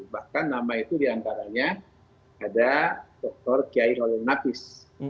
bahkan nama itu diantaranya ada dr kiai kholenakis